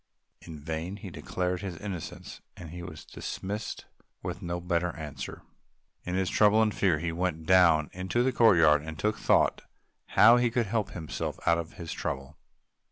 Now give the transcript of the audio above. In vain he declared his innocence; he was dismissed with no better answer. In his trouble and fear he went down into the courtyard and took thought how to help himself out of his trouble.